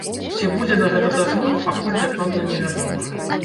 Ці будзе на гэта дазвол, пакуль дакладна невядома.